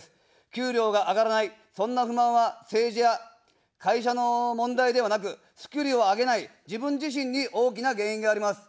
給料が上がらない、そんな不満は政治や会社の問題ではなく、スキルを上げない自分自身に大きな原因があります。